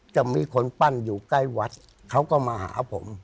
จะมีคนปั้นอยู่ใกล้วัดเขาก็มาหาผม